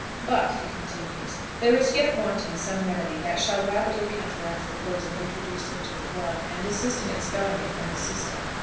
"But," he continues, "there is yet wanting some remedy that shall rapidly counteract the poison introduced into the blood, and assist in expelling it from the system.